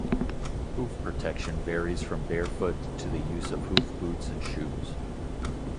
Hoof protection varies from barefoot to the use of hoof boots and shoes.